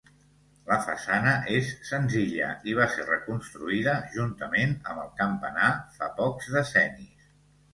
La façana és senzilla i va ser reconstruïda, juntament amb el campanar, fa pocs decennis.